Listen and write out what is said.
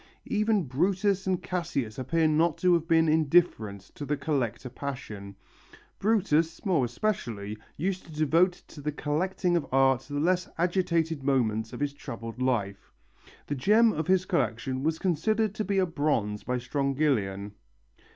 Even Brutus and Cassius appear not to have been indifferent to the collector passion. Brutus, more especially, used to devote to the collecting of art the less agitated moments of his troubled life. The gem of his collection was considered to be a bronze by Strongylion.